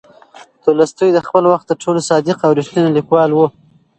تولستوی د خپل وخت تر ټولو صادق او ریښتینی لیکوال و.